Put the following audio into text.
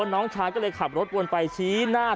น้องชายก็เลยขับรถวนไปชี้หน้า